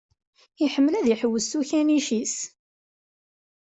Iḥemmel ad iḥewwes s ukanic-is.